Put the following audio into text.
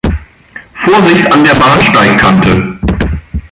Vorsicht an der Bahnsteigkante.